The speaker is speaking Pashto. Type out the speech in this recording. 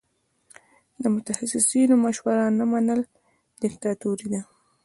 د متخصصینو مشوره نه منل دیکتاتوري ده.